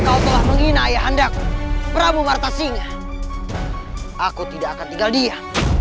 kau telah menghina ayah andaku pramu marta singa aku tidak akan tinggal dia